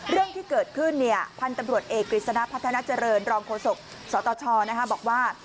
เรื่องที่เกิดขึ้นพันธุ์ตำรวจเอกกฤษณะพัฒนาเจริญรองโฆษกสตชบอกว่า